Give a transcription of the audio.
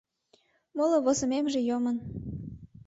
Моло возымемже йомын.